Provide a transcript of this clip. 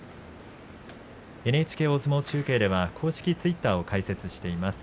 ＮＨＫ大相撲中継では公式ツイッターを開設しています。